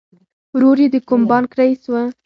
ورور یې د کوم بانک رئیس و